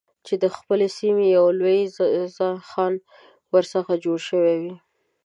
چې د خپلې سیمې یو لوی خان ورڅخه جوړ شوی وي.